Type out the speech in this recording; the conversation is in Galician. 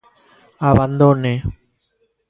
Abandone.